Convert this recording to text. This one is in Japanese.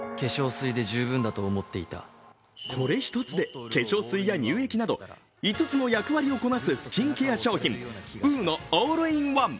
これ一つで化粧水や乳液など５つの役割をこなす新商品ウーノ・オールインワン。